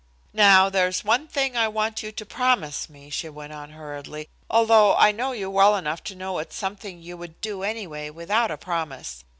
"Now, there's one thing I want you to promise me," she went on, hurriedly. "Although I know you well enough to know it's something you would do anyway without a promise.